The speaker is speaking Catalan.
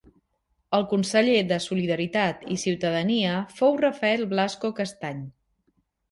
El conseller de Solidaritat i Ciutadania fou Rafael Blasco Castany.